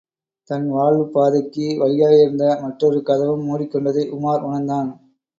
தன் வாழ்வுப் பாதைக்கு வழியாயிருந்த மற்றொரு கதவும் முடிக்கொண்டதை உமார் உணர்ந்தான்.